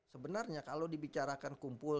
sebenarnya kalau dibicarakan kumpul